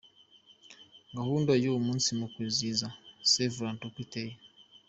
Gahunda y’uwo munsi mu kwizihiza St Valentin uko iteye: .